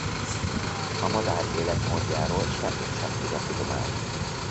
A madár életmódjáról semmit sem tud a tudomány.